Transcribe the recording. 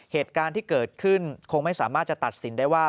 เหตุการณ์ที่เกิดขึ้นคงไม่สามารถจะตัดสินได้ว่า